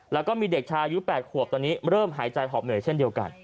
แล้วก็มีเด็กชายอายุ๘ขวบตอนนี้เริ่มหายใจหอบเหนื่อยเช่นเดียวกัน